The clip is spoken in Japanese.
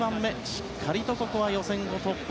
しっかりとここは予選を突破。